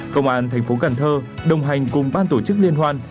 công an thành phố cần thơ đồng hành cùng ban tổ chức liên hoan